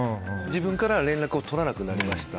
自分から連絡を取らなくなりました